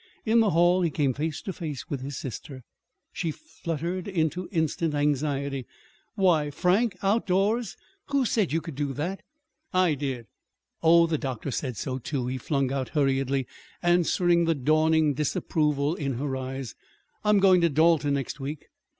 In the hall he came face to face with his sister. She fluttered into instant anxiety. "Why, Frank outdoors? Who said you could do that?" "I did. Oh, the doctor said so, too," he flung out hurriedly, answering the dawning disapproval in her eyes. "I'm going to Dalton next week."